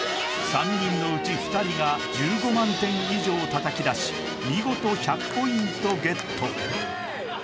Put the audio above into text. ３人のうち２人が１５万点以上叩きだし見事１００ポイントゲット！